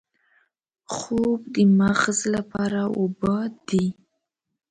خوب د مغز لپاره اوبه دي